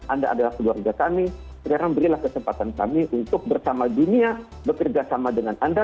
anda adalah keluarga kami sekarang berilah kesempatan kami untuk bersama dunia bekerja sama dengan anda